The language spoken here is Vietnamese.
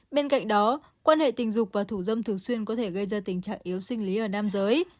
bên cạnh đó quan hệ tình dục và thủ dâm thường xuyên có thể gây ra tình trạng yếu sinh lý ở nam giới